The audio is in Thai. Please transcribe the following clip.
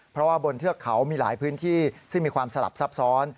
เพราะว่าบนเทือกเขามีหลายพื้นที่ซึ่งมีความสลับซับซ้อน